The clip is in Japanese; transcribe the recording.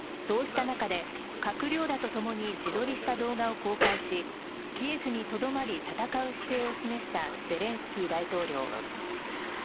そうした中で閣僚らとともに自撮りした動画を公開しキエフにとどまり戦う姿勢を示したゼレンスキー大統領。